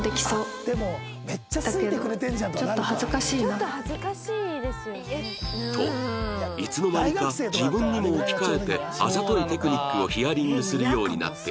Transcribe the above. といつの間にか自分にも置き換えてあざといテクニックをヒアリングするようになっている葵